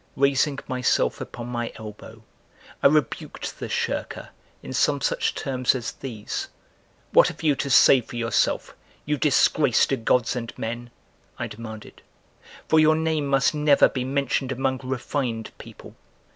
Raising myself upon my elbow I rebuked the shirker in some such terms as these: "What have you to say for yourself, you disgrace to gods and men," I demanded, "for your name must never be mentioned among refined people.